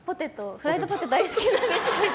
フライドポテト大好きなので。